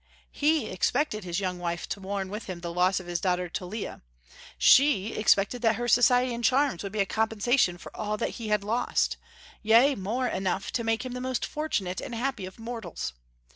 He expected his young wife to mourn with him the loss of his daughter Tullia. She expected that her society and charms would be a compensation for all that he had lost; yea, more, enough to make him the most fortunate and happy of mortals.